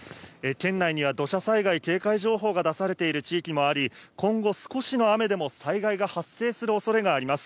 県内には土砂災害警戒情報が出されている地域もあり、今後少しの雨でも災害が発生するおそれがあります。